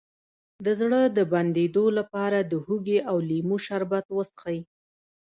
د زړه د بندیدو لپاره د هوږې او لیمو شربت وڅښئ